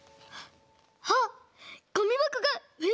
あっごみばこがうえ